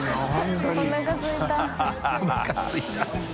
おなかすいた